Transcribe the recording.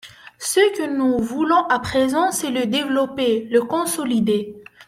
Ce que nous voulons à présent, c’est le développer, le consolider.